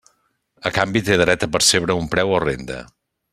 A canvi, té dret a percebre un preu o renda.